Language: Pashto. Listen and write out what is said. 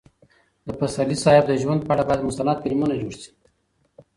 د پسرلي صاحب د ژوند په اړه باید مستند فلمونه جوړ شي.